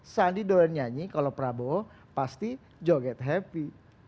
sandi doyan nyanyi kalau prabowo pasti joget happy